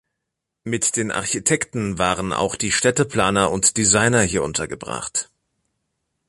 Mit den Architekten waren auch die Städteplaner und Designer hier untergebracht.